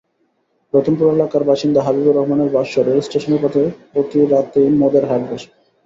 রতনপুর এলাকার বাসিন্দা হাবিবুর রহমানের ভাষ্য, রেলস্টেশনের পাশে প্রতি রাতেই মদের হাট বসে।